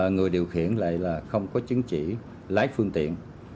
người điều khiển lại là không có chứng chỉ lái phương tiện